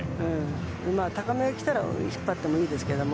高めに来たら引っ張ってもいいですけど。